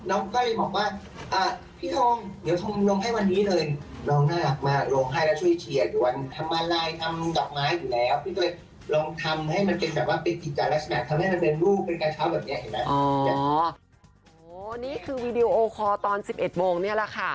นี่คือวีดีโอคอร์ตอน๑๑โมงนี่แหละค่ะ